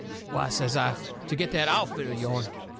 "Why," says I, "to get that outfit of yourn."